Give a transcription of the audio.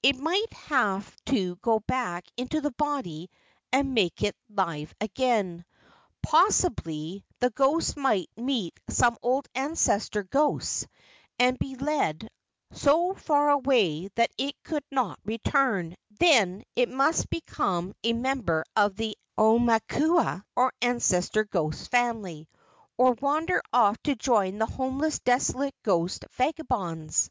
It might have to go back into the body and make it live again. Possibly the ghost might meet some old ancestor ghosts and be led so far away that it could not return; then it must become a member of the aumakua, or ancestor ghost, family, or wander off to join the homeless desolate ghost vagabonds.